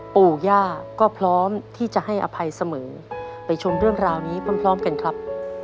ปู่ย่าก็พร้อมที่จะให้อภัยเสมอไปชมเรื่องราวนี้พร้อมกันครับ